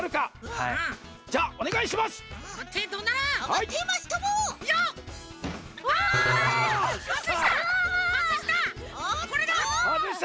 はずした！